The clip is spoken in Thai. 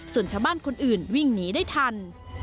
ส่วนชาวบ้านคนอื่นวิ่งหนีได้ทัน